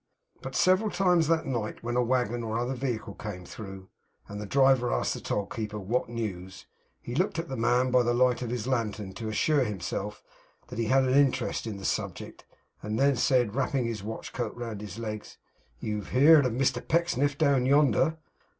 But several times that night, when a waggon or other vehicle came through, and the driver asked the tollkeeper 'What news?' he looked at the man by the light of his lantern, to assure himself that he had an interest in the subject, and then said, wrapping his watch coat round his legs: 'You've heerd of Mr Pecksniff down yonder?